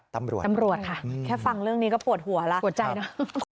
ตำรวจค่ะแค่ฟังเรื่องนี้ก็ปวดหัวละปวดใจนะ